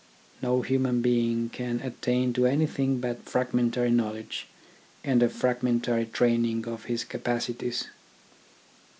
No human being can attain to anything TECHNICAL EDUCATION 49 but fragmentary knowledge and a fragmen tary training of his capacities.